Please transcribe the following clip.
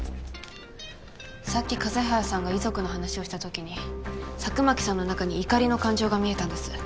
さっき風早さんが遺族の話をした時に佐久巻さんの中に「怒り」の感情が見えたんです。